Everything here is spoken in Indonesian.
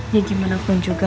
ya gimana pun juga